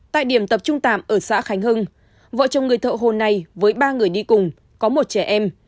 tại điểm tập trung tạm ở xã khánh hưng vợ chồng người thợ hồ này với ba người đi cùng có một trẻ em